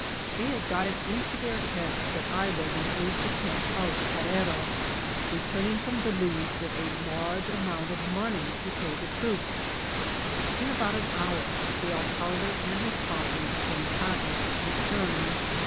They had got it into their heads that I was an aiddecamp of Carrera, returning from Balize with a large amount of money to pay the tro(^. In about an hour the alcalde and his posse oomitatus returned.